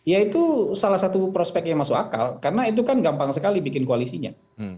ya itu salah satu prospek yang masuk akal karena itu kan gampang sekali bikin koalisinya